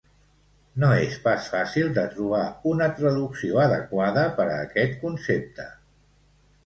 No és pas fàcil de trobar una traducció adequada per a aquest concepte.